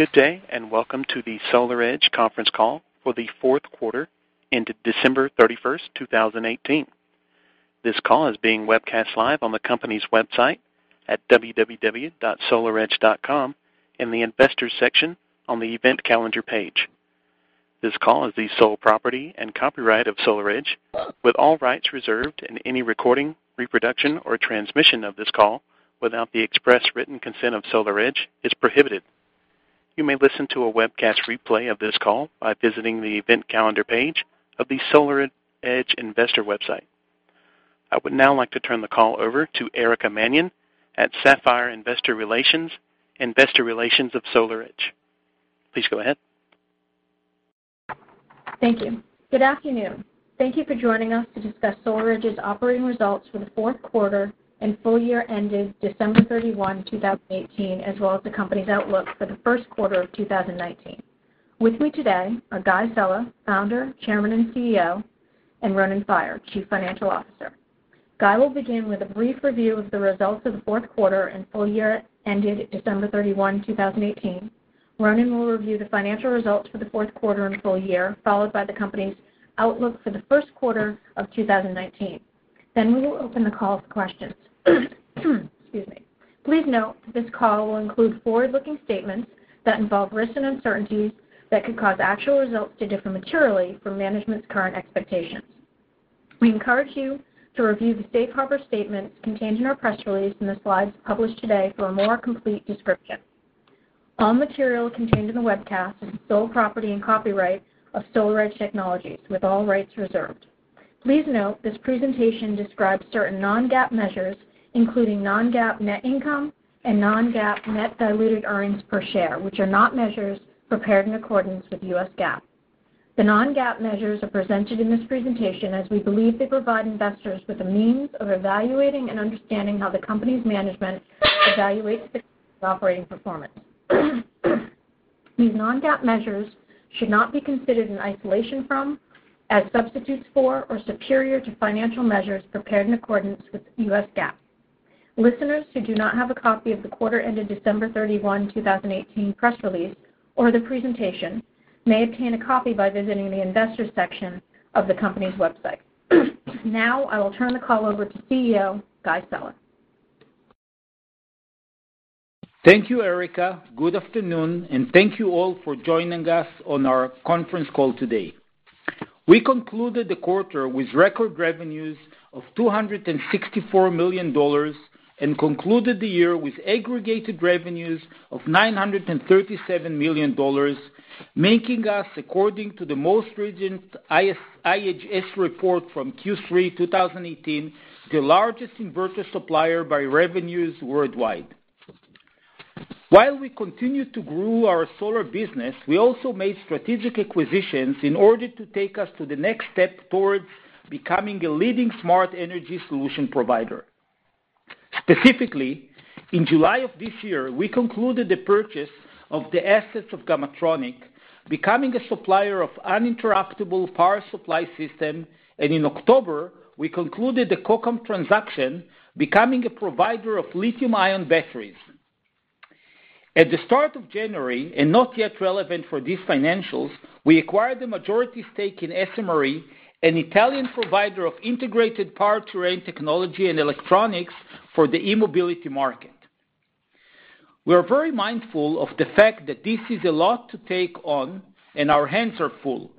Good day. Welcome to the SolarEdge conference call for the fourth quarter ended December 31, 2018. This call is being webcast live on the company's website at www.solaredge.com in the Investors section on the event calendar page. This call is the sole property and copyright of SolarEdge, with all rights reserved, any recording, reproduction, or transmission of this call without the express written consent of SolarEdge is prohibited. You may listen to a webcast replay of this call by visiting the event calendar page of the SolarEdge investor website. I would now like to turn the call over to Erica Mannion at Sapphire Investor Relations, investor relations of SolarEdge. Please go ahead. Thank you. Good afternoon. Thank you for joining us to discuss SolarEdge's operating results for the fourth quarter and full year ended December 31, 2018, as well as the company's outlook for the first quarter of 2019. With me today are Guy Sella, founder, chairman, and CEO, and Ronen Faier, chief financial officer. Guy will begin with a brief review of the results of the fourth quarter and full year ended December 31, 2018. Ronen will review the financial results for the fourth quarter and full year, followed by the company's outlook for the first quarter of 2019. We will open the call for questions. Excuse me. Please note that this call will include forward-looking statements that involve risks and uncertainties that could cause actual results to differ materially from management's current expectations. We encourage you to review the safe harbor statements contained in our press release and the slides published today for a more complete description. All material contained in the webcast is the sole property and copyright of SolarEdge Technologies, with all rights reserved. Please note this presentation describes certain non-GAAP measures, including non-GAAP net income and non-GAAP net diluted earnings per share, which are not measures prepared in accordance with US GAAP. The non-GAAP measures are presented in this presentation as we believe they provide investors with a means of evaluating and understanding how the company's management evaluates operating performance. These non-GAAP measures should not be considered in isolation from, as substitutes for, or superior to financial measures prepared in accordance with US GAAP. Listeners who do not have a copy of the quarter ended December 31, 2018 press release or the presentation may obtain a copy by visiting the Investors section of the company's website. I will turn the call over to CEO Guy Sella. Thank you, Erica. Good afternoon, and thank you all for joining us on our conference call today. We concluded the quarter with record revenues of $264 million and concluded the year with aggregated revenues of $937 million, making us, according to the most recent IHS report from Q3 2018, the largest inverter supplier by revenues worldwide. While we continue to grow our solar business, we also made strategic acquisitions in order to take us to the next step towards becoming a leading smart energy solution provider. Specifically, in July of this year, we concluded the purchase of the assets of Gamatronic, becoming a supplier of uninterruptible power supply system, and in October, we concluded the Kokam transaction, becoming a provider of lithium-ion batteries. At the start of January, and not yet relevant for these financials, we acquired a majority stake in SMRE, an Italian provider of integrated powertrain technology and electronics for the e-mobility market. We are very mindful of the fact that this is a lot to take on and our hands are full.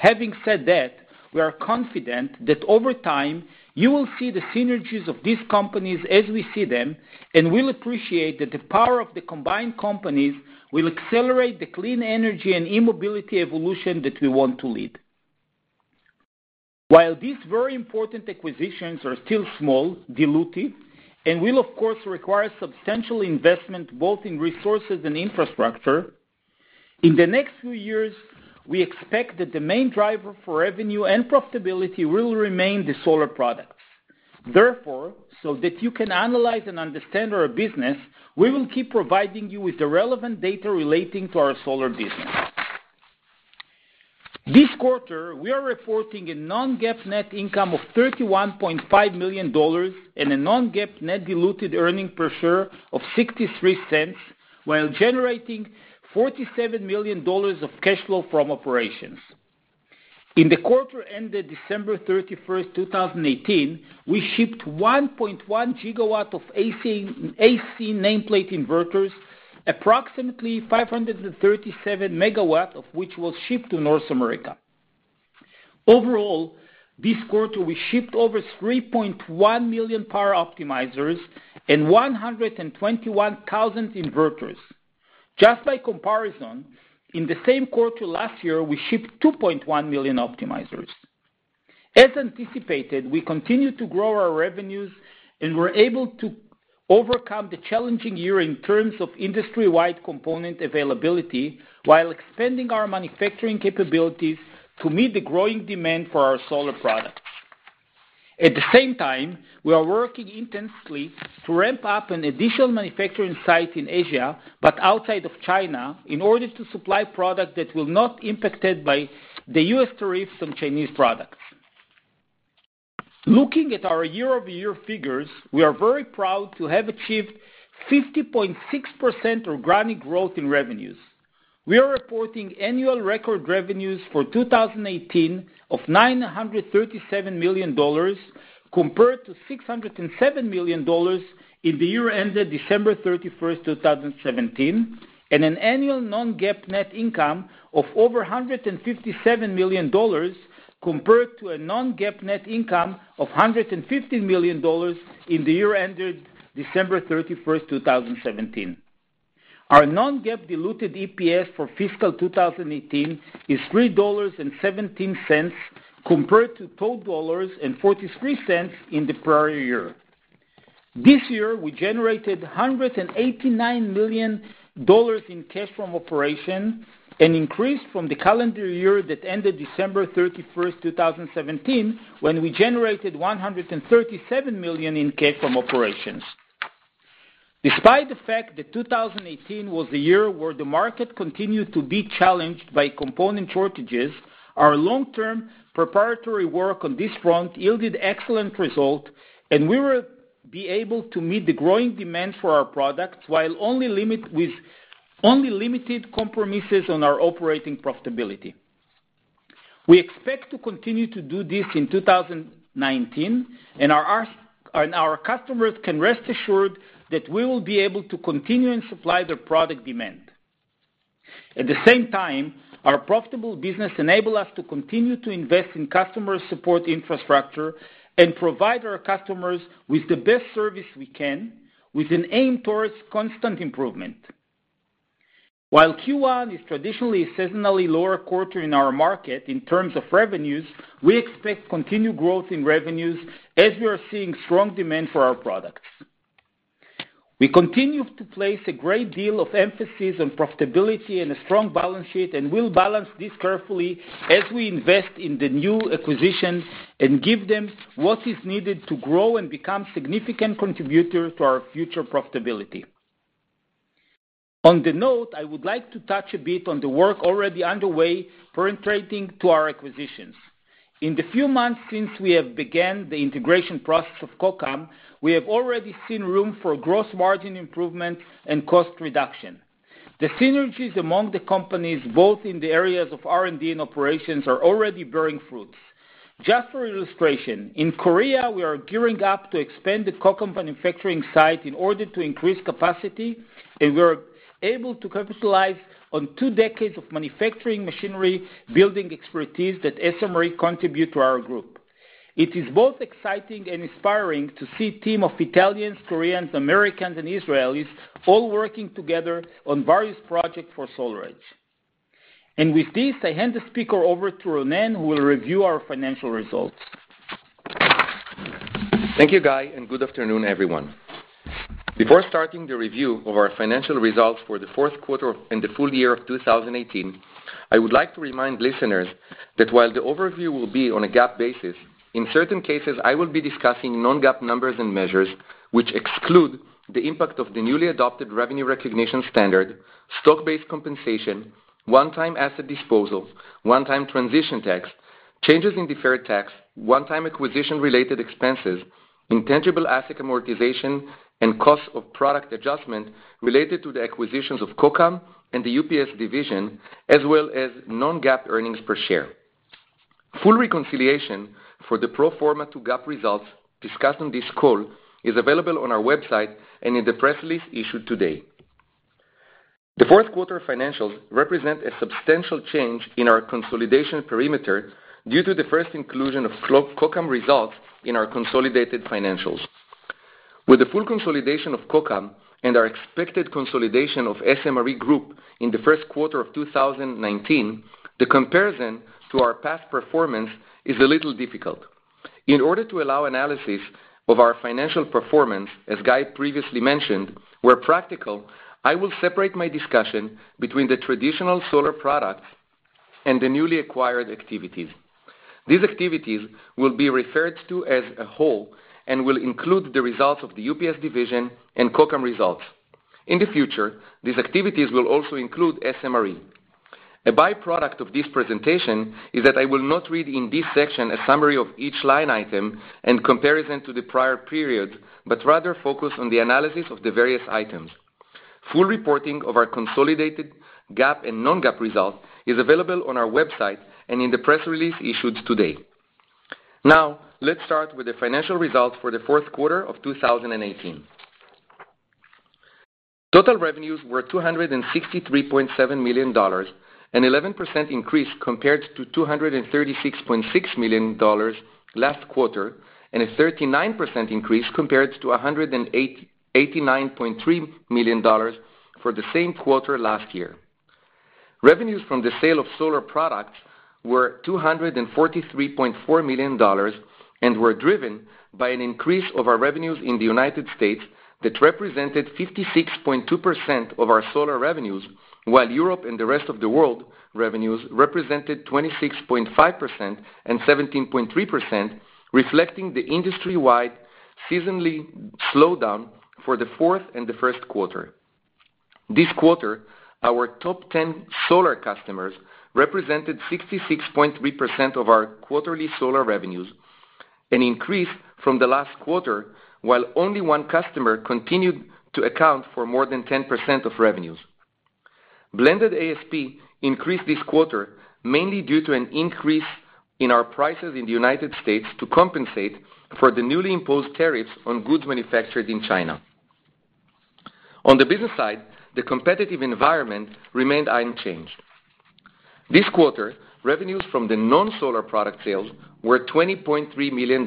Having said that, we are confident that over time you will see the synergies of these companies as we see them and will appreciate that the power of the combined companies will accelerate the clean energy and e-mobility evolution that we want to lead. While these very important acquisitions are still small, dilutive, and will of course require substantial investment both in resources and infrastructure, in the next few years, we expect that the main driver for revenue and profitability will remain the solar products. Therefore, so that you can analyze and understand our business, we will keep providing you with the relevant data relating to our solar business. This quarter, we are reporting a non-GAAP net income of $31.5 million and a non-GAAP net diluted earning per share of $0.63 while generating $47 million of cash flow from operations. In the quarter ended December 31st, 2018, we shipped 1.1 gigawatt of AC nameplate inverters, approximately 537 megawatt of which was shipped to North America. Overall, this quarter we shipped over 3.1 million Power Optimizers and 121,000 inverters. Just by comparison, in the same quarter last year, we shipped 2.1 million optimizers. As anticipated, we continue to grow our revenues and were able to overcome the challenging year in terms of industry-wide component availability while expanding our manufacturing capabilities to meet the growing demand for our solar products. At the same time, we are working intensely to ramp up an additional manufacturing site in Asia, but outside of China, in order to supply product that will not impacted by the U.S. tariffs on Chinese products. Looking at our year-over-year figures, we are very proud to have achieved 50.6% organic growth in revenues. We are reporting annual record revenues for 2018 of $937 million compared to $607 million in the year ended December 31st, 2017, and an annual non-GAAP net income of over $157 million compared to a non-GAAP net income of $115 million in the year ended December 31st, 2017. Our non-GAAP diluted EPS for fiscal 2018 is $3.17 compared to $12.43 in the prior year. This year, we generated $189 million in cash from operation, an increase from the calendar year that ended December 31st, 2017, when we generated $137 million in cash from operations. Despite the fact that 2018 was a year where the market continued to be challenged by component shortages, our long-term preparatory work on this front yielded excellent result, and we were able to meet the growing demand for our products with only limited compromises on our operating profitability. We expect to continue to do this in 2019, our customers can rest assured that we will be able to continue and supply their product demand. At the same time, our profitable business enable us to continue to invest in customer support infrastructure and provide our customers with the best service we can with an aim towards constant improvement. While Q1 is traditionally a seasonally lower quarter in our market in terms of revenues, we expect continued growth in revenues as we are seeing strong demand for our products. We continue to place a great deal of emphasis on profitability and a strong balance sheet, we'll balance this carefully as we invest in the new acquisitions and give them what is needed to grow and become significant contributors to our future profitability. On the note, I would like to touch a bit on the work already underway penetrating to our acquisitions. In the few months since we have began the integration process of Kokam, we have already seen room for gross margin improvement and cost reduction. The synergies among the companies, both in the areas of R&D and operations, are already bearing fruits. Just for illustration, in Korea, we are gearing up to expand the Kokam manufacturing site in order to increase capacity, we're able to capitalize on two decades of manufacturing machinery building expertise that SMRE contribute to our group. It is both exciting and inspiring to see team of Italians, Koreans, Americans, and Israelis all working together on various projects for SolarEdge. With this, I hand the speaker over to Ronen, who will review our financial results. Thank you, Guy, and good afternoon, everyone. Before starting the review of our financial results for the fourth quarter and the full year of 2018, I would like to remind listeners that while the overview will be on a GAAP basis, in certain cases, I will be discussing non-GAAP numbers and measures which exclude the impact of the newly adopted revenue recognition standard, stock-based compensation, one-time asset disposal, one-time transition tax, changes in deferred tax, one-time acquisition related expenses, intangible asset amortization, and cost of product adjustment related to the acquisitions of Kokam and the UPS division, as well as non-GAAP earnings per share. Full reconciliation for the pro forma to GAAP results discussed on this call is available on our website and in the press release issued today. The fourth quarter financials represent a substantial change in our consolidation perimeter due to the first inclusion of Kokam results in our consolidated financials. With the full consolidation of Kokam and our expected consolidation of SMRE group in the first quarter of 2019, the comparison to our past performance is a little difficult. In order to allow analysis of our financial performance, as Guy previously mentioned, where practical, I will separate my discussion between the traditional solar products and the newly acquired activities. These activities will be referred to as a whole and will include the results of the UPS division and Kokam results. In the future, these activities will also include SMRE. A byproduct of this presentation is that I will not read in this section a summary of each line item and comparison to the prior period, but rather focus on the analysis of the various items. Full reporting of our consolidated GAAP and non-GAAP results is available on our website and in the press release issued today. Let's start with the financial results for the fourth quarter of 2018. Total revenues were $263.7 million, an 11% increase compared to $236.6 million last quarter, and a 39% increase compared to $189.3 million for the same quarter last year. Revenues from the sale of solar products were $243.4 million and were driven by an increase of our revenues in the United States that represented 56.2% of our solar revenues, while Europe and the rest of the world revenues represented 26.5% and 17.3%, reflecting the industry-wide seasonally slowdown for the fourth and the first quarter. This quarter, our top 10 solar customers represented 66.3% of our quarterly solar revenues, an increase from the last quarter, while only one customer continued to account for more than 10% of revenues. Blended ASP increased this quarter, mainly due to an increase in our prices in the United States to compensate for the newly imposed tariffs on goods manufactured in China. On the business side, the competitive environment remained unchanged. This quarter, revenues from the non-solar product sales were $20.3 million,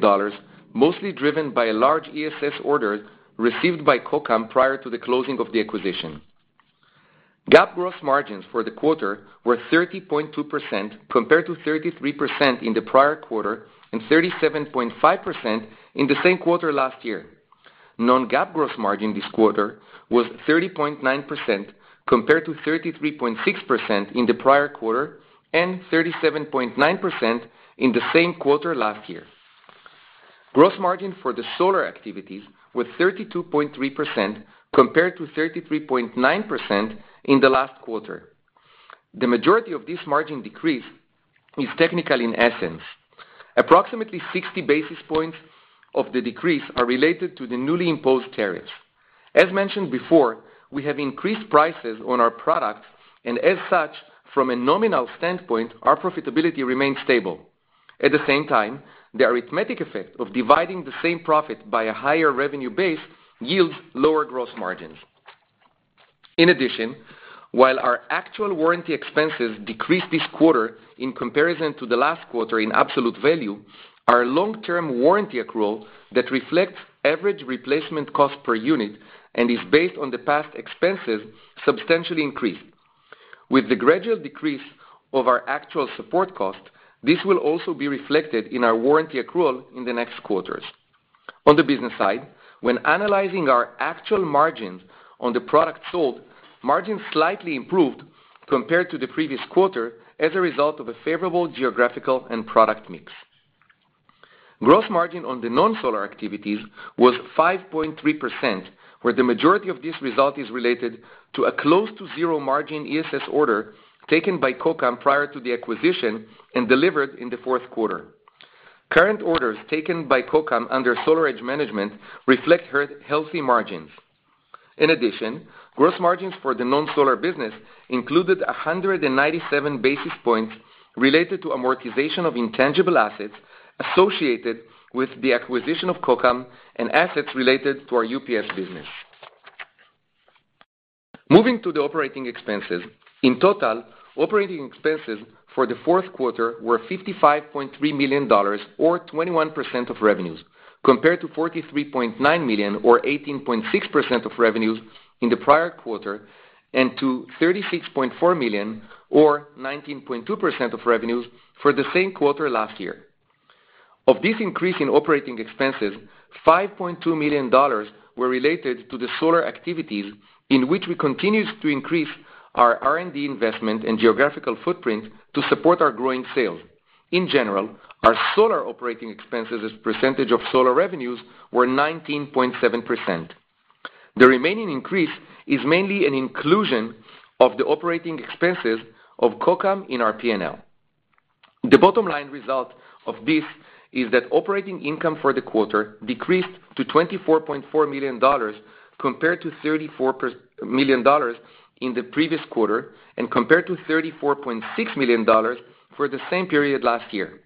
mostly driven by a large ESS order received by Kokam prior to the closing of the acquisition. GAAP gross margins for the quarter were 30.2% compared to 33% in the prior quarter and 37.5% in the same quarter last year. Non-GAAP gross margin this quarter was 30.9% compared to 33.6% in the prior quarter and 37.9% in the same quarter last year. Gross margin for the solar activities was 32.3% compared to 33.9% in the last quarter. The majority of this margin decrease is technical in essence. Approximately 60 basis points of the decrease are related to the newly imposed tariffs. As mentioned before, we have increased prices on our products and as such, from a nominal standpoint, our profitability remains stable. At the same time, the arithmetic effect of dividing the same profit by a higher revenue base yields lower gross margins. In addition, while our actual warranty expenses decreased this quarter in comparison to the last quarter in absolute value, our long-term warranty accrual that reflects average replacement cost per unit and is based on the past expenses, substantially increased. With the gradual decrease of our actual support cost, this will also be reflected in our warranty accrual in the next quarters. On the business side, when analyzing our actual margins on the product sold, margins slightly improved compared to the previous quarter as a result of a favorable geographical and product mix. Gross margin on the non-solar activities was 5.3%, where the majority of this result is related to a close to zero margin ESS order taken by Kokam prior to the acquisition and delivered in the fourth quarter. Current orders taken by Kokam under SolarEdge management reflect healthy margins. In addition, gross margins for the non-solar business included 197 basis points related to amortization of intangible assets associated with the acquisition of Kokam and assets related to our UPS business. Moving to the operating expenses. In total, operating expenses for the fourth quarter were $55.3 million or 21% of revenues, compared to $43.9 million or 18.6% of revenues in the prior quarter, and to $36.4 million or 19.2% of revenues for the same quarter last year. Of this increase in operating expenses, $5.2 million were related to the solar activities in which we continued to increase our R&D investment and geographical footprint to support our growing sales. In general, our solar operating expenses as a percentage of solar revenues were 19.7%. The remaining increase is mainly an inclusion of the operating expenses of Kokam in our P&L. The bottom line result of this is that operating income for the quarter decreased to $24.4 million compared to $34 million in the previous quarter, and compared to $34.6 million for the same period last year.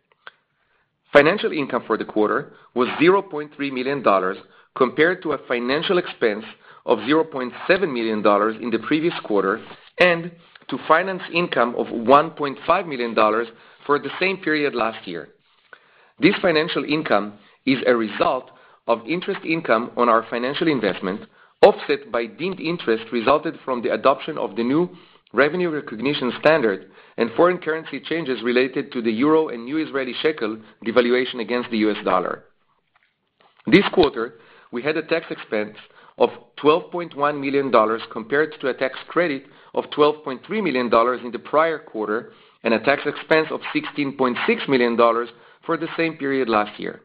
Financial income for the quarter was $0.3 million compared to a financial expense of $0.7 million in the previous quarter, and to finance income of $1.5 million for the same period last year. This financial income is a result of interest income on our financial investment, offset by deemed interest resulted from the adoption of the new revenue recognition standard and foreign currency changes related to the euro and new Israeli shekel devaluation against the US dollar. This quarter, we had a tax expense of $12.1 million compared to a tax credit of $12.3 million in the prior quarter, and a tax expense of $16.6 million for the same period last year.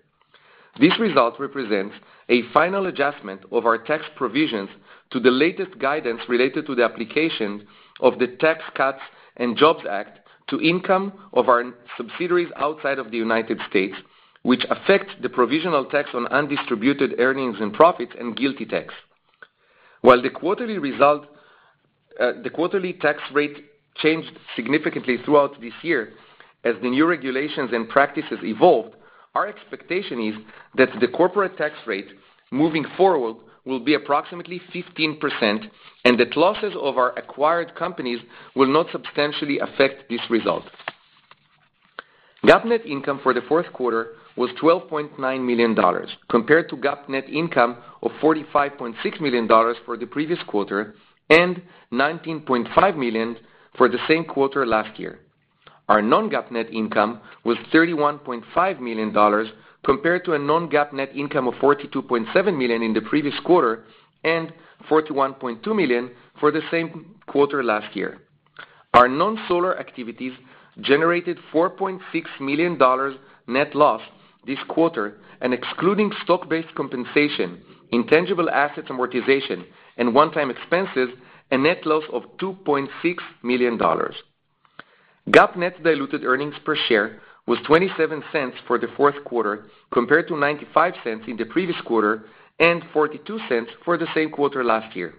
This result represents a final adjustment of our tax provisions to the latest guidance related to the application of the Tax Cuts and Jobs Act to income of our subsidiaries outside of the United States, which affect the provisional tax on undistributed earnings and profits and GILTI tax. While the quarterly tax rate changed significantly throughout this year as the new regulations and practices evolved, our expectation is that the corporate tax rate moving forward will be approximately 15% and that losses of our acquired companies will not substantially affect this result. GAAP net income for the fourth quarter was $12.9 million compared to GAAP net income of $45.6 million for the previous quarter, and $19.5 million for the same quarter last year. Our non-GAAP net income was $31.5 million compared to a non-GAAP net income of $42.7 million in the previous quarter, and $41.2 million for the same quarter last year. Our non-solar activities generated $4.6 million net loss this quarter, and excluding stock-based compensation, intangible asset amortization, and one-time expenses, a net loss of $2.6 million. GAAP net diluted earnings per share was $0.27 for the fourth quarter, compared to $0.95 in the previous quarter, and $0.42 for the same quarter last year.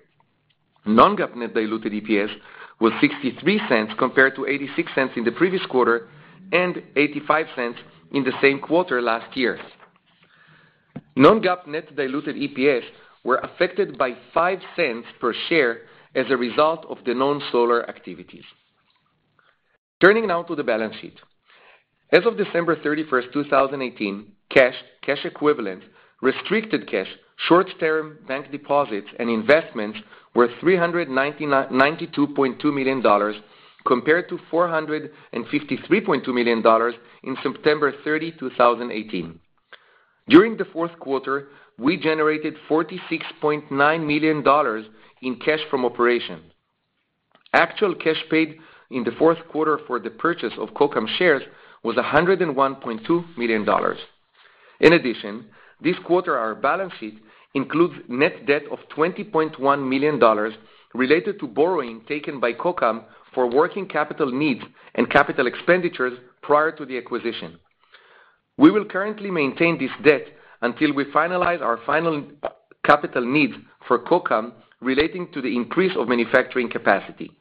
Non-GAAP net diluted EPS was $0.63 compared to $0.86 in the previous quarter and $0.85 in the same quarter last year. Non-GAAP net diluted EPS were affected by $0.05 per share as a result of the non-solar activities. Turning now to the balance sheet. As of December 31st, 2018, cash equivalent, restricted cash, short-term bank deposits, and investments were $392.2 million compared to $453.2 million in September 30, 2018. During the fourth quarter, we generated $46.9 million in cash from operations. Actual cash paid in the fourth quarter for the purchase of Kokam shares was $101.2 million. In addition, this quarter, our balance sheet includes net debt of $20.1 million related to borrowing taken by Kokam for working capital needs and capital expenditures prior to the acquisition. We will currently maintain this debt until we finalize our final capital needs for Kokam relating to the increase of manufacturing capacity.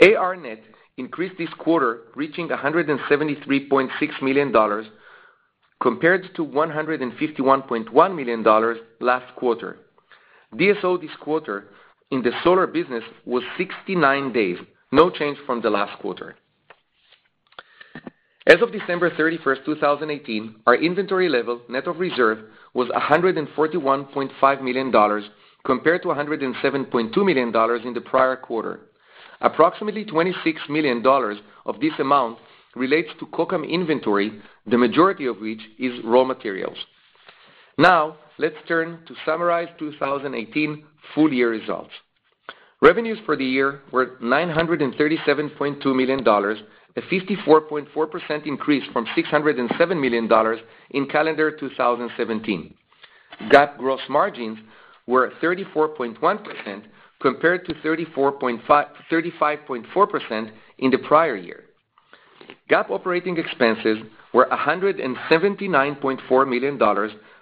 AR net increased this quarter reaching $173.6 million compared to $151.1 million last quarter. DSO this quarter in the solar business was 69 days. No change from the last quarter. As of December 31st, 2018, our inventory level net of reserve was $141.5 million compared to $107.2 million in the prior quarter. Approximately $26 million of this amount relates to Kokam inventory, the majority of which is raw materials. Now, let's turn to summarize 2018 full-year results. Revenues for the year were $937.2 million, a 54.4% increase from $607 million in calendar 2017. GAAP gross margins were 34.1% compared to 35.4% in the prior year. GAAP operating expenses were $179.4 million,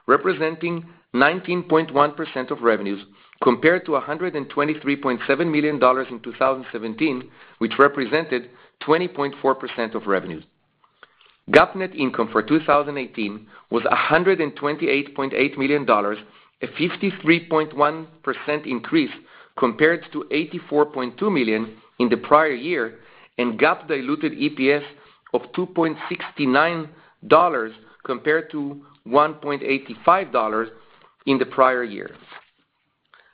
representing 19.1% of revenues compared to $123.7 million in 2017, which represented 20.4% of revenues. GAAP net income for 2018 was $128.8 million, a 53.1% increase compared to $84.2 million in the prior year, and GAAP diluted EPS of $2.69 compared to $1.85 in the prior year.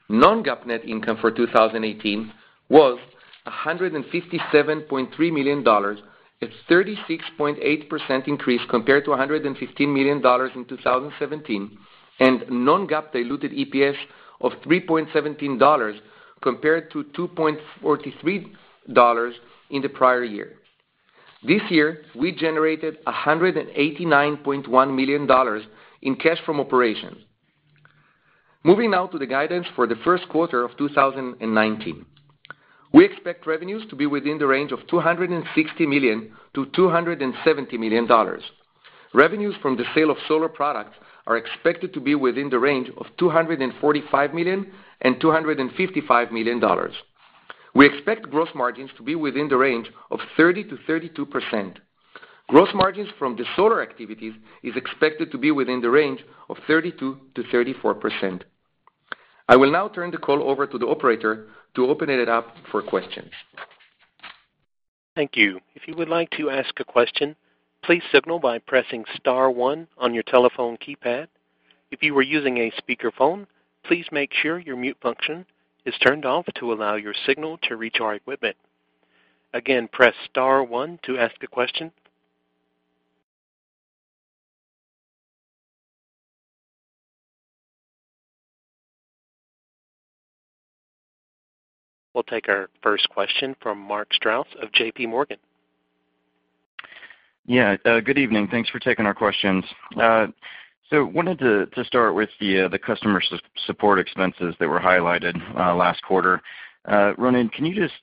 Non-GAAP net income for 2018 was $157.3 million, a 36.8% increase compared to $115 million in 2017, and non-GAAP diluted EPS of $3.17 compared to $2.43 in the prior year. This year, we generated $189.1 million in cash from operations. Moving now to the guidance for the first quarter of 2019. We expect revenues to be within the range of $260 million-$270 million. Revenues from the sale of solar products are expected to be within the range of $245 million-$255 million. We expect gross margins to be within the range of 30%-32%. Gross margins from the solar activities is expected to be within the range of 32%-34%. I will now turn the call over to the operator to open it up for questions. Thank you. If you would like to ask a question, please signal by pressing *1 on your telephone keypad. If you are using a speakerphone, please make sure your mute function is turned off to allow your signal to reach our equipment. Again, press *1 to ask a question. We'll take our first question from Mark Strouse of J.P. Morgan. Yeah. Good evening. Thanks for taking our questions. Wanted to start with the customer support expenses that were highlighted last quarter. Ronen, can you just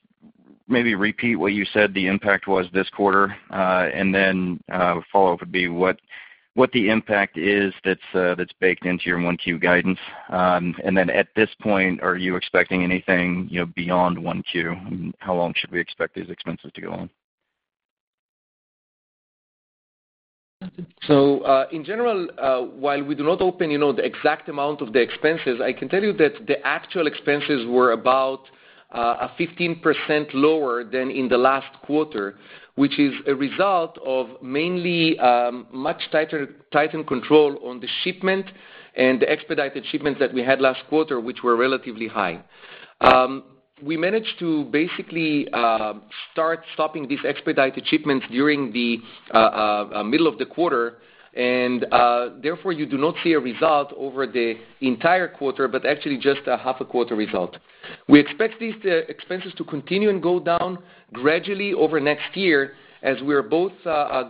maybe repeat what you said the impact was this quarter? A follow-up would be what the impact is that's baked into your 1Q guidance. At this point, are you expecting anything beyond 1Q, and how long should we expect these expenses to go on? In general, while we do not open the exact amount of the expenses, I can tell you that the actual expenses were about 15% lower than in the last quarter, which is a result of mainly much tightened control on the shipment and the expedited shipments that we had last quarter, which were relatively high. We managed to basically start stopping these expedited shipments during the middle of the quarter, and therefore, you do not see a result over the entire quarter, but actually just a half a quarter result. We expect these expenses to continue and go down gradually over next year as we're both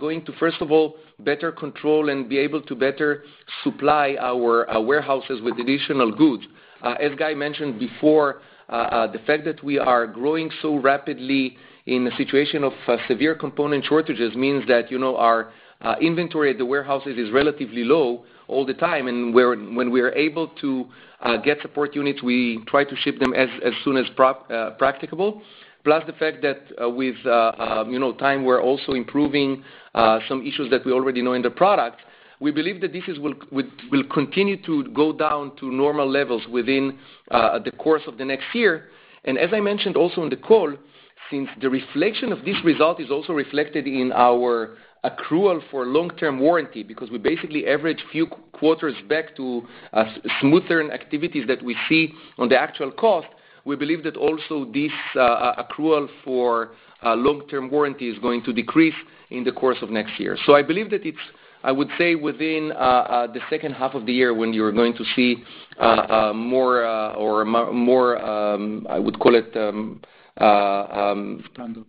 going to, first of all, better control and be able to better supply our warehouses with additional goods. As Guy mentioned before, the fact that we are growing so rapidly in a situation of severe component shortages means that our inventory at the warehouses is relatively low all the time, when we are able to get support units, we try to ship them as soon as practicable. Plus the fact that with time, we're also improving some issues that we already know in the product. We believe that this will continue to go down to normal levels within the course of the next year. As I mentioned also on the call, since the reflection of this result is also reflected in our accrual for long-term warranty, because we basically average few quarters back to smoother activities that we see on the actual cost, we believe that also this accrual for long-term warranty is going to decrease in the course of next year. I believe that it's, I would say, within the second half of the year, when you're going to see more. Standard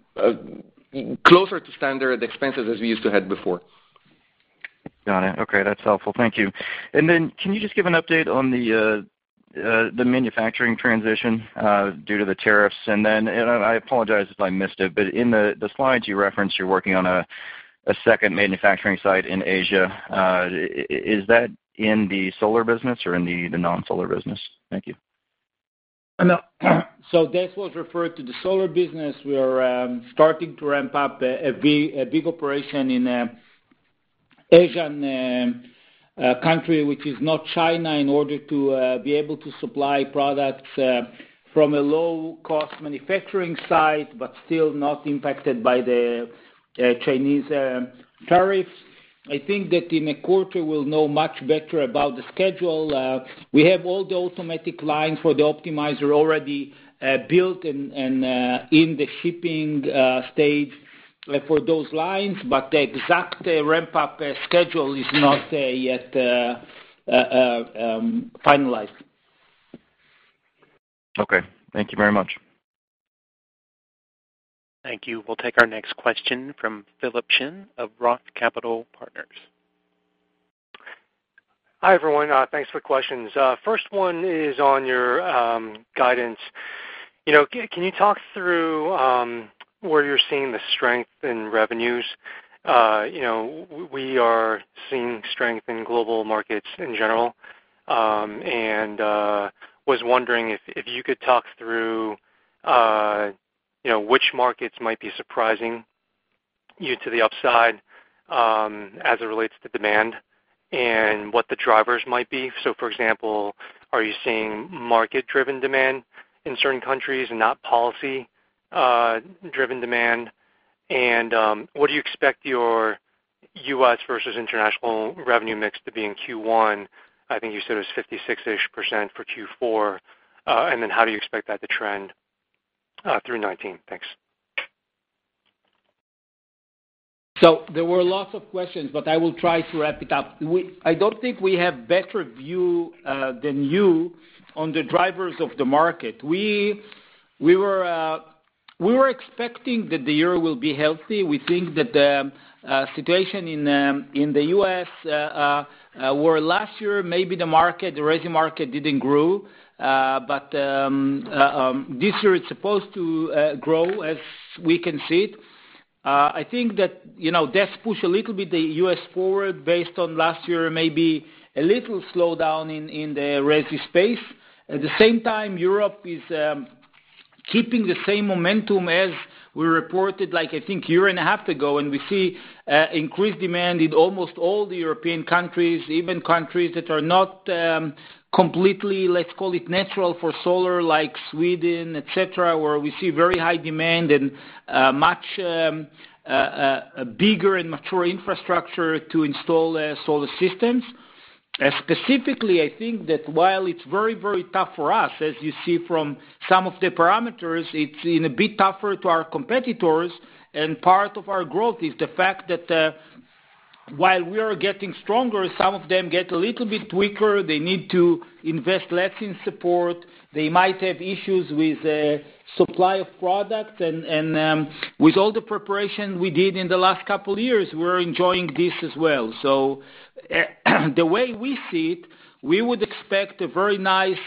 Closer to standard expenses as we used to have before. Got it. Okay, that's helpful. Thank you. Then can you just give an update on the manufacturing transition, due to the tariffs? Then, I apologize if I missed it, but in the slides you referenced, you're working on a second manufacturing site in Asia. Is that in the solar business or in the non-solar business? Thank you. This was referred to the solar business. We are starting to ramp up a big operation in Asian country, which is not China, in order to be able to supply products from a low-cost manufacturing site, but still not impacted by the Chinese tariffs. I think that in a quarter we'll know much better about the schedule. We have all the automatic lines for the Optimizer already built and in the shipping stage for those lines. The exact ramp-up schedule is not yet finalized. Okay, thank you very much. Thank you. We'll take our next question from Philip Shen of Roth Capital Partners. Hi, everyone. Thanks for questions. First one is on your guidance. Can you talk through where you're seeing the strength in revenues? We are seeing strength in global markets in general, and was wondering if you could talk through which markets might be surprising you to the upside, as it relates to demand, and what the drivers might be. For example, are you seeing market-driven demand in certain countries and not policy-driven demand? What do you expect your U.S. versus international revenue mix to be in Q1? I think you said it was 56-ish% for Q4. How do you expect that to trend through 2019? Thanks. There were lots of questions, but I will try to wrap it up. I don't think we have better view than you on the drivers of the market. We were expecting that the year will be healthy. We think that the situation in the U.S., where last year, maybe the market, the resi market, didn't grow. This year it's supposed to grow as we can see it. I think that does push a little bit the U.S. forward based on last year, maybe a little slowdown in the resi space. At the same time, Europe is keeping the same momentum as we reported, I think a year and a half ago, we see increased demand in almost all the European countries, even countries that are not completely, let's call it, natural for solar, like Sweden, et cetera, where we see very high demand and much bigger and mature infrastructure to install solar systems. Specifically, I think that while it's very, very tough for us, as you see from some of the parameters, it's been a bit tougher to our competitors. Part of our growth is the fact that, while we are getting stronger, some of them get a little bit weaker. They need to invest less in support. They might have issues with supply of product. With all the preparation we did in the last couple years, we're enjoying this as well. The way we see it, we would expect a very nice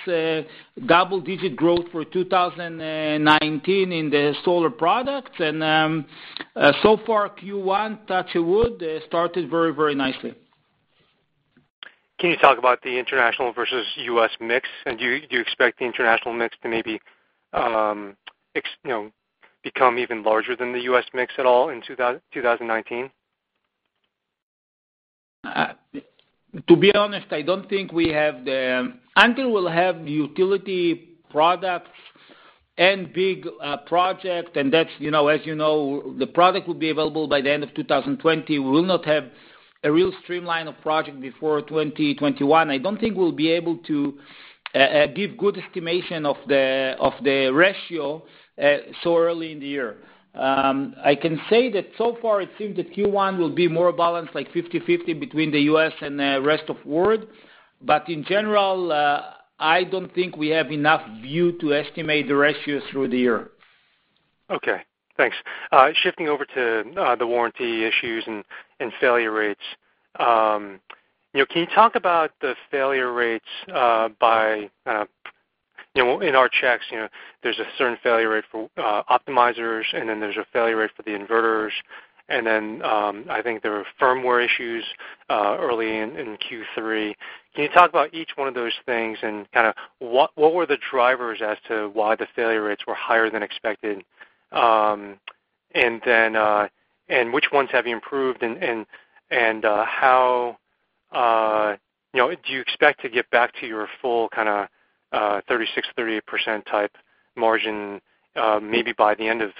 double-digit growth for 2019 in the solar products. So far, Q1, touch wood, started very, very nicely. Can you talk about the international versus U.S. mix? Do you expect the international mix to maybe become even larger than the U.S. mix at all in 2019? To be honest, until we'll have the utility products and big project, and as you know, the product will be available by the end of 2020, we will not have a real streamline of project before 2021. I don't think we'll be able to give good estimation of the ratio so early in the year. I can say that so far it seems that Q1 will be more balanced, like 50/50 between the U.S. and the rest of world. In general, I don't think we have enough view to estimate the ratio through the year. Thanks. Shifting over to the warranty issues and failure rates. Can you talk about the failure rates in our checks, there's a certain failure rate for optimizers, and then there's a failure rate for the inverters, and then, I think there were firmware issues early in Q3. Can you talk about each one of those things and what were the drivers as to why the failure rates were higher than expected? Which ones have you improved and do you expect to get back to your full kind of 36%-38% type margin, maybe by the end of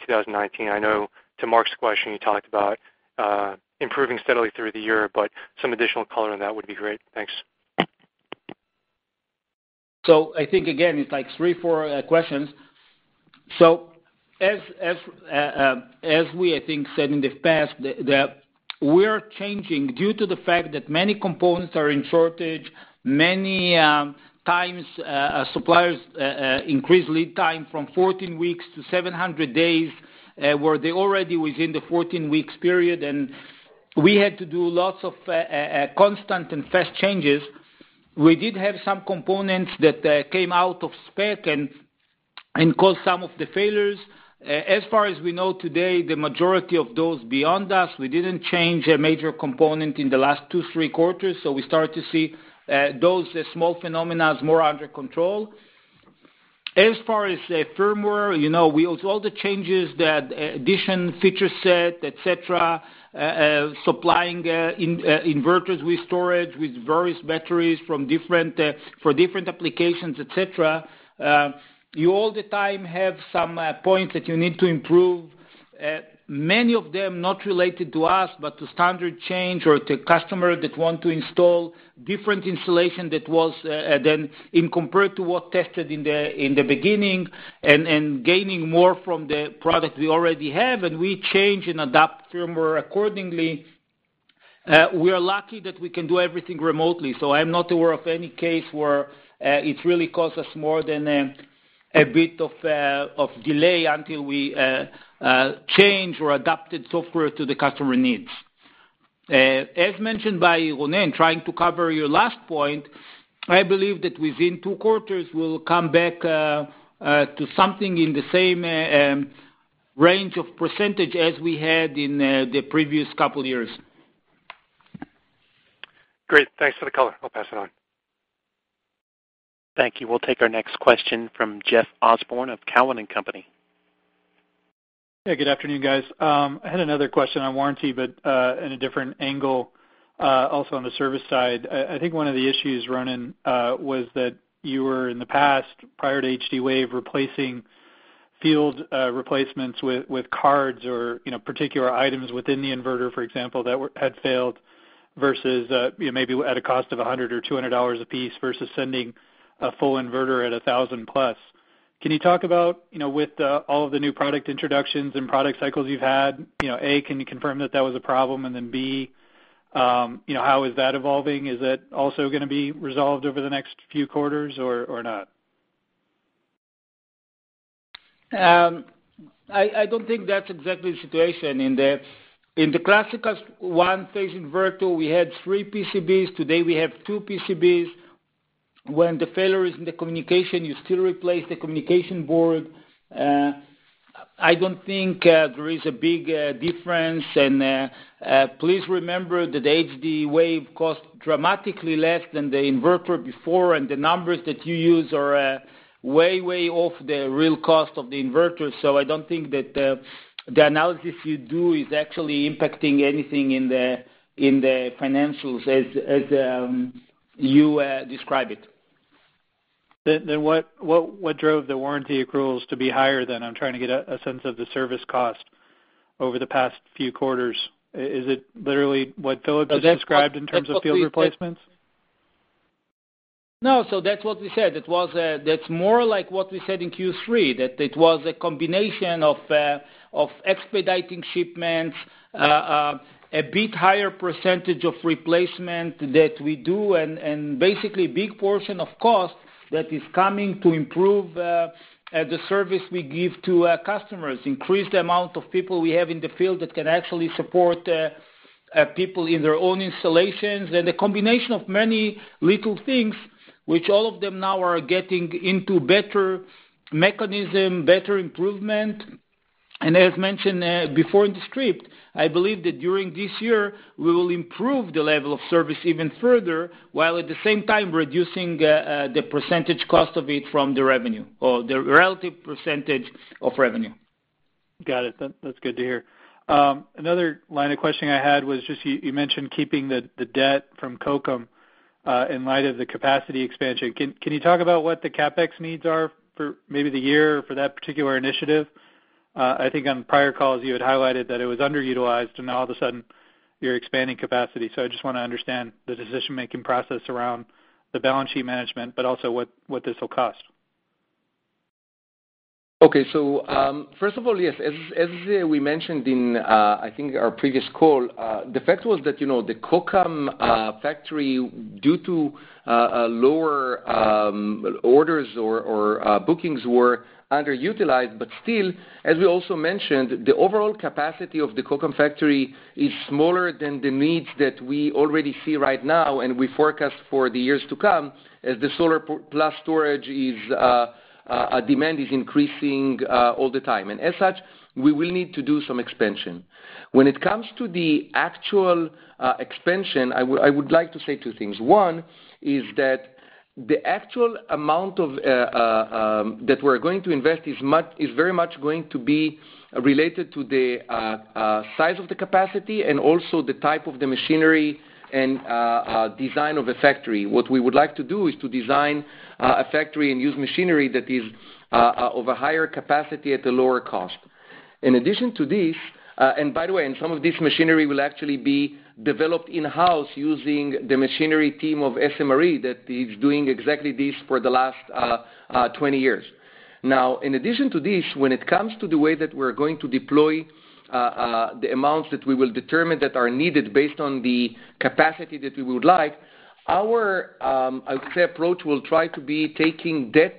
2019? I know to Mark's question, you talked about improving steadily through the year, but some additional color on that would be great. Thanks. I think, again, it's like three, four questions. As we, I think, said in the past, that we're changing due to the fact that many components are in shortage, many times, suppliers increase lead time from 14 weeks to 700 days, where they already within the 14 weeks period, and we had to do lots of constant and fast changes. We did have some components that came out of spec and caused some of the failures. As far as we know today, the majority of those beyond us, we didn't change a major component in the last two, three quarters, we start to see those small phenomenas more under control. As far as the firmware, with all the changes, the addition, feature set, et cetera, supplying inverters with storage, with various batteries for different applications, et cetera, you all the time have some point that you need to improve. Many of them not related to us, but to standard change or to customer that want to install different installation than in compared to what tested in the beginning and gaining more from the product we already have, and we change and adapt firmware accordingly. We are lucky that we can do everything remotely, I'm not aware of any case where it really cost us more than a bit of delay until we change or adapted software to the customer needs. As mentioned by Ronen, trying to cover your last point, I believe that within two quarters, we'll come back to something in the same range of percentage as we had in the previous couple years. Great. Thanks for the color. I'll pass it on. Thank you. We'll take our next question from Jeff Osborne of Cowen and Company. Good afternoon, guys. I had another question on warranty, but in a different angle, also on the service side. I think one of the issues, Ronen, was that you were in the past, prior to HD-Wave, replacing field replacements with cards or particular items within the inverter, for example, that had failed versus maybe at a cost of $100 or $200 a piece versus sending a full inverter at $1,000 plus. Can you talk about, with all of the new product introductions and product cycles you've had, A, can you confirm that that was a problem, and then, B, how is that evolving? Is that also going to be resolved over the next few quarters or not? I don't think that's exactly the situation. In the classical one phase inverter, we had three PCBs. Today, we have two PCBs. When the failure is in the communication, you still replace the communication board. I don't think there is a big difference. Please remember that HD-Wave cost dramatically less than the inverter before, and the numbers that you use are way off the real cost of the inverter. I don't think that the analysis you do is actually impacting anything in the financials as you describe it. What drove the warranty accruals to be higher then? I'm trying to get a sense of the service cost over the past few quarters. Is it literally what Philip has described in terms of field replacements? No. That's what we said. That's more like what we said in Q3, that it was a combination of expediting shipments, a bit higher percentage of replacement that we do, and basically big portion of cost that is coming to improve the service we give to customers. Increase the amount of people we have in the field that can actually support people in their own installations. A combination of many little things, which all of them now are getting into better mechanism, better improvement. As mentioned before in the script, I believe that during this year, we will improve the level of service even further, while at the same time reducing the percentage cost of it from the revenue or the relative percentage of revenue. Got it. That's good to hear. Another line of questioning I had was just you mentioned keeping the debt from Kokam, in light of the capacity expansion. Can you talk about what the CapEx needs are for maybe the year for that particular initiative? I think on prior calls, you had highlighted that it was underutilized, and now all of a sudden you're expanding capacity. I just want to understand the decision-making process around the balance sheet management, but also what this will cost. Okay. First of all, yes, as we mentioned in, I think, our previous call, the fact was that the Kokam factory, due to lower orders or bookings, were underutilized. Still, as we also mentioned, the overall capacity of the Kokam factory is smaller than the needs that we already see right now and we forecast for the years to come, as the solar plus storage demand is increasing all the time. As such, we will need to do some expansion. When it comes to the actual expansion, I would like to say two things. One is that the actual amount that we're going to invest is very much going to be related to the size of the capacity and also the type of the machinery and design of the factory. What we would like to do is to design a factory and use machinery that is of a higher capacity at a lower cost. In addition to this, some of this machinery will actually be developed in-house using the machinery team of SMRE that is doing exactly this for the last 20 years. In addition to this, when it comes to the way that we're going to deploy the amounts that we will determine that are needed based on the capacity that we would like, our, I would say, approach will try to be taking debt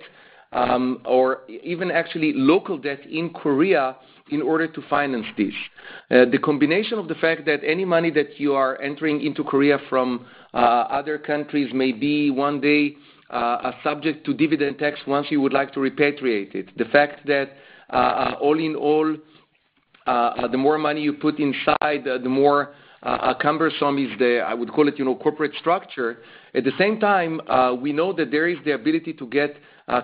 or even actually local debt in Korea in order to finance this. The combination of the fact that any money that you are entering into Korea from other countries may be one day subject to dividend tax once you would like to repatriate it. The fact that all in all, the more money you put inside, the more cumbersome is the, I would call it, corporate structure. At the same time, we know that there is the ability to get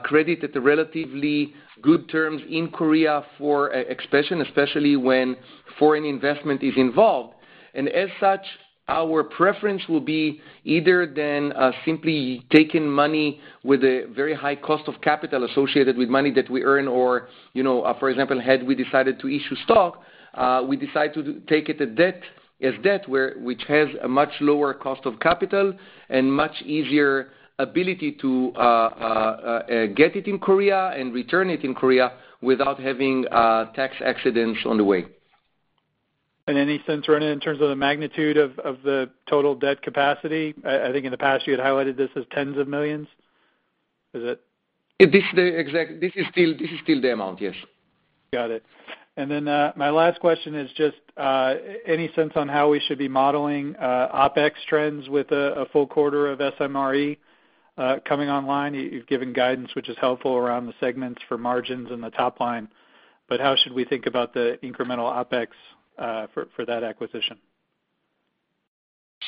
credit at the relatively good terms in Korea for expansion, especially when foreign investment is involved. As such, our preference will be either than simply taking money with a very high cost of capital associated with money that we earn, or for example, had we decided to issue stock, we decide to take it as debt, which has a much lower cost of capital and much easier ability to get it in Korea and return it in Korea without having tax accidents on the way. Any sense around it in terms of the magnitude of the total debt capacity? I think in the past, you had highlighted this as tens of millions. Is it? This is still the amount, yes. Got it. My last question is just, any sense on how we should be modeling OpEx trends with a full quarter of SMRE coming online? You've given guidance, which is helpful around the segments for margins and the top line, how should we think about the incremental OpEx for that acquisition?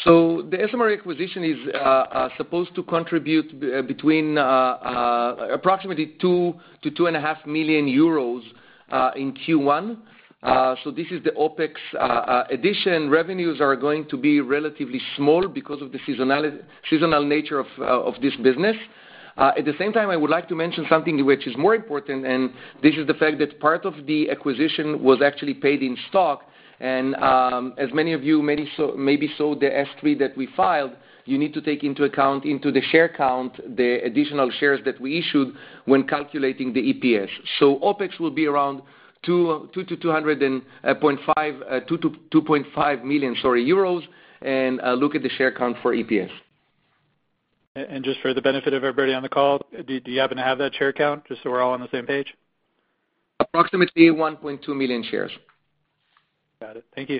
The SMRE acquisition is supposed to contribute between approximately two to €2.5 million in Q1. This is the OpEx addition. Revenues are going to be relatively small because of the seasonal nature of this business. At the same time, I would like to mention something which is more important, and this is the fact that part of the acquisition was actually paid in stock. As many of you maybe saw the S3 that we filed, you need to take into account into the share count the additional shares that we issued when calculating the EPS. OpEx will be around two to 2.5 million EUR, and look at the share count for EPS. Just for the benefit of everybody on the call, do you happen to have that share count just so we're all on the same page? Approximately 1.2 million shares. Got it. Thank you.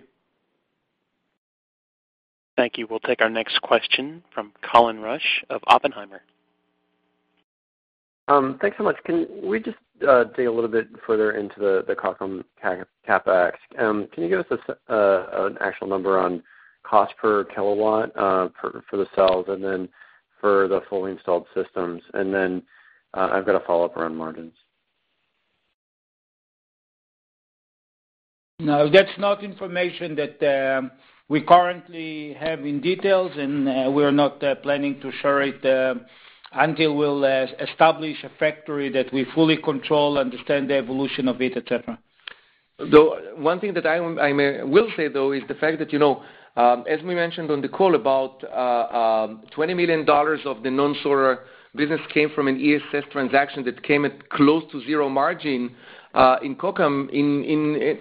Thank you. We'll take our next question from Colin Rusch of Oppenheimer. Thanks so much. Can we just dig a little bit further into the Kokam CapEx? Can you give us an actual number on cost per kilowatt for the cells and then for the fully installed systems? I've got a follow-up around margins. No, that's not information that we currently have in details. We're not planning to share it until we'll establish a factory that we fully control, understand the evolution of it, et cetera. One thing that I will say is the fact that, as we mentioned on the call, about $20 million of the non-solar business came from an ESS transaction that came at close to zero margin in Kokam.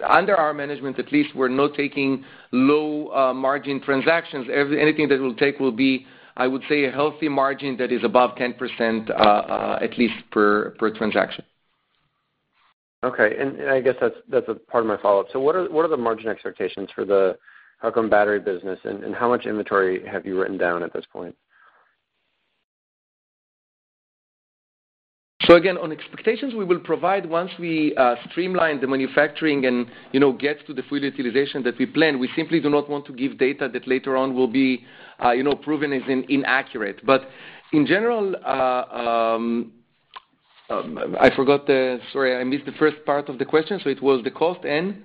Under our management at least, we're not taking low-margin transactions. Anything that we'll take will be, I would say, a healthy margin that is above 10% at least per transaction. Okay. I guess that's a part of my follow-up. What are the margin expectations for the Kokam battery business, and how much inventory have you written down at this point? Again, on expectations, we will provide once we streamline the manufacturing and get to the full utilization that we plan. We simply do not want to give data that later on will be proven as inaccurate. In general, I forgot the. Sorry, I missed the first part of the question. It was the cost and?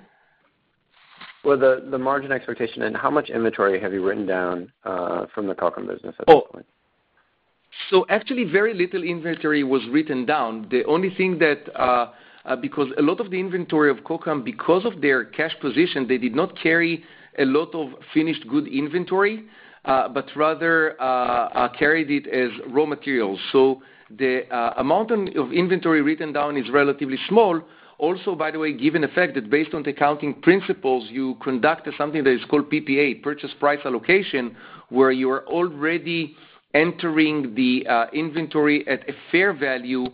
Well, the margin expectation and how much inventory have you written down from the Kokam business at this point? Actually, very little inventory was written down. The only thing that, because a lot of the inventory of Kokam, because of their cash position, they did not carry a lot of finished good inventory, but rather, carried it as raw materials. The amount of inventory written down is relatively small. Also, by the way, given the fact that based on the accounting principles, you conduct something that is called PPA, purchase price allocation, where you are already entering the inventory at a fair value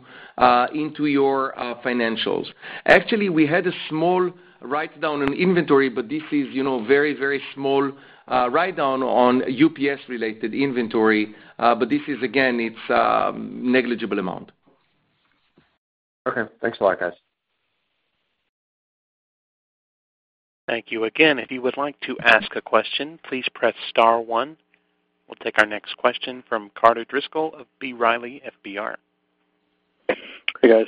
into your financials. Actually, we had a small write-down on inventory, but this is very, very small write-down on UPS-related inventory. This is, again, it's a negligible amount. Okay. Thanks a lot, guys. Thank you again. If you would like to ask a question, please press star one. We'll take our next question from Carter Driscoll of B. Riley FBR. Hey, guys.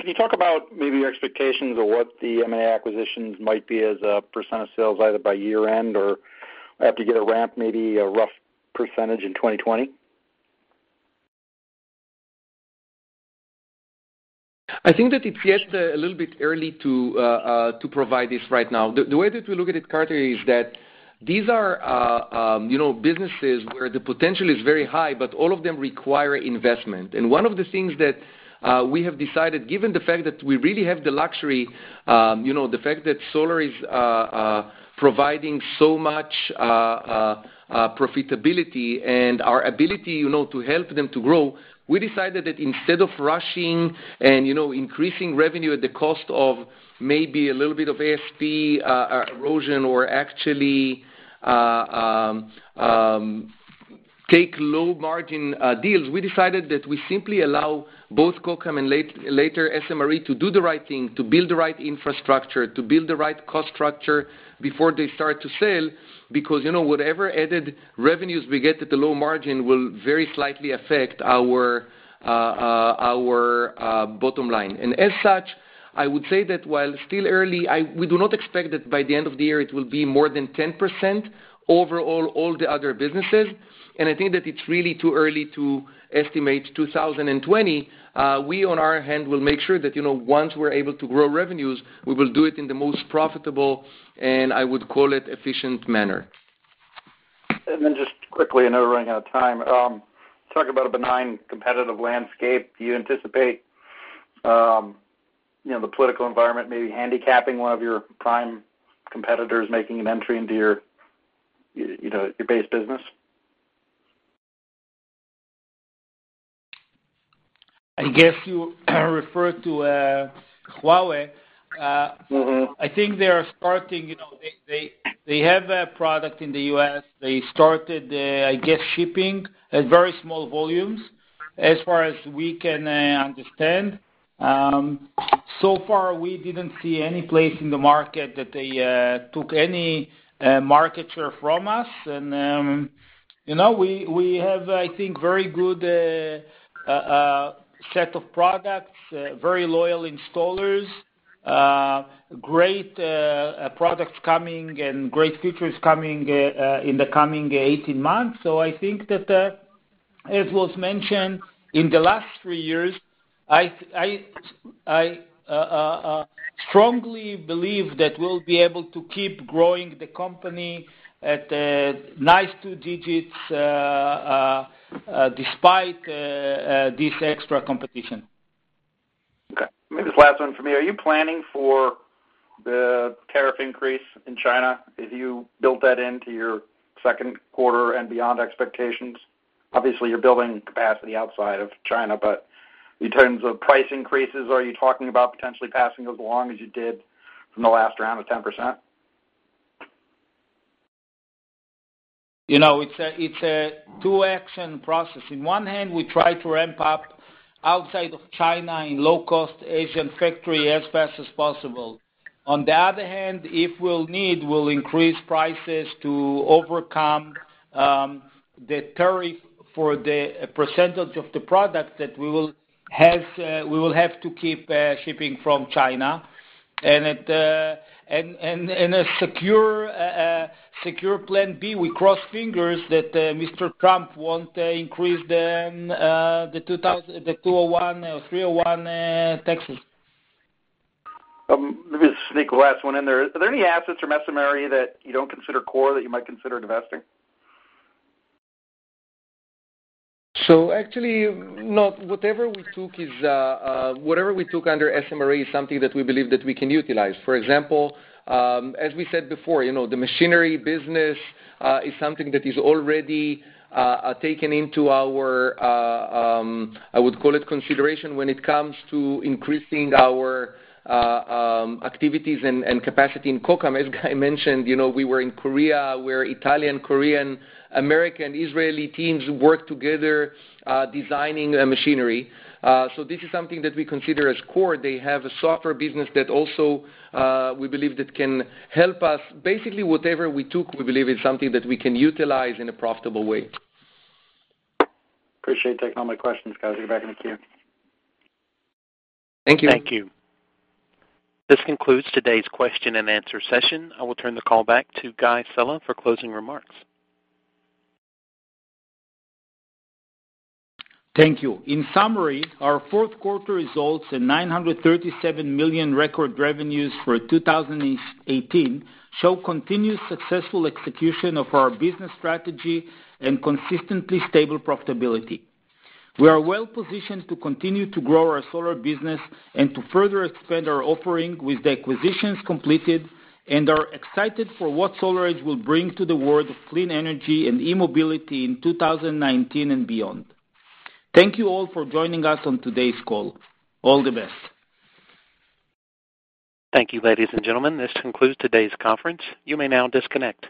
Can you talk about maybe your expectations of what the M&A acquisitions might be as a % of sales, either by year-end or after you get a ramp, maybe a rough % in 2020? I think that it's yet a little bit early to provide this right now. The way that we look at it, Carter, is that these are businesses where the potential is very high, but all of them require investment. One of the things that we have decided, given the fact that we really have the luxury, the fact that solar is providing so much profitability and our ability to help them to grow, we decided that instead of rushing and increasing revenue at the cost of maybe a little bit of ASP erosion or actually take low-margin deals, we decided that we simply allow both Kokam and later, SMRE to do the right thing, to build the right infrastructure, to build the right cost structure before they start to sell, because whatever added revenues we get at a low margin will very slightly affect our bottom line. As such, I would say that while still early, we do not expect that by the end of the year it will be more than 10% over all the other businesses, and I think that it's really too early to estimate 2020. We, on our hand, will make sure that once we're able to grow revenues, we will do it in the most profitable, and I would call it efficient manner. Just quickly, I know we're running out of time. Talk about a benign competitive landscape. Do you anticipate the political environment maybe handicapping one of your prime competitors making an entry into your base business? I guess you refer to Huawei. I think they are starting. They have a product in the U.S. They started, I guess, shipping at very small volumes, as far as we can understand. So far, we didn't see any place in the market that they took any market share from us. We have, I think, very good set of products, very loyal installers, great products coming, and great futures coming in the coming 18 months. I think that, as was mentioned in the last three years, I strongly believe that we'll be able to keep growing the company at a nice two digits despite this extra competition. Okay. Maybe this is the last one for me. Are you planning for the tariff increase in China? Have you built that into your second quarter and beyond expectations? Obviously, you're building capacity outside of China, but in terms of price increases, are you talking about potentially passing those along as you did from the last round of 10%? It's a two action process. In one hand, we try to ramp up outside of China in low-cost Asian factory as fast as possible. On the other hand, if we'll need, we'll increase prices to overcome the tariff for the percentage of the product that we will have to keep shipping from China. A secure plan B, we cross fingers that Mr. Trump won't increase the 201, 301 taxes. Let me sneak a last one in there. Are there any assets from SMRE that you don't consider core that you might consider divesting? Actually, no. Whatever we took under SMRE is something that we believe that we can utilize. For example, as we said before, the machinery business is something that is already taken into our, I would call it consideration when it comes to increasing our activities and capacity in Kokam. As Guy mentioned, we were in Korea, where Italian, Korean, American, Israeli teams work together designing machinery. This is something that we consider as core. They have a software business that also we believe that can help us. Whatever we took, we believe is something that we can utilize in a profitable way. Appreciate you taking all my questions, guys. Get back in the queue. Thank you. Thank you. This concludes today's question and answer session. I will turn the call back to Guy Sella for closing remarks. Thank you. In summary, our fourth quarter results and $937 million record revenues for 2018 show continued successful execution of our business strategy and consistently stable profitability. We are well positioned to continue to grow our solar business and to further expand our offering with the acquisitions completed and are excited for what SolarEdge will bring to the world of clean energy and e-mobility in 2019 and beyond. Thank you all for joining us on today's call. All the best. Thank you, ladies and gentlemen. This concludes today's conference. You may now disconnect.